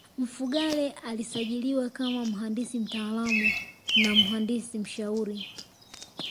Mfugale alisajiliwa kama mhandisi mtaalamu na mhandisi mshauri